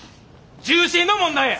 重心の問題や！